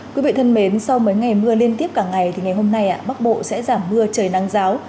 quý vị thân mến sau mấy ngày mưa liên tiếp cả ngày thì ngày hôm nay bắc bộ sẽ giảm mưa trời nắng giáo